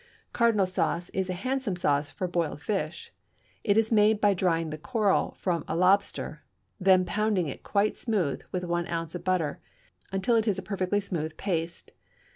Cardinal sauce is a handsome sauce for boiled fish. It is made by drying the coral from a lobster, then pounding it quite smooth, with one ounce of butter, until it is a perfectly smooth paste.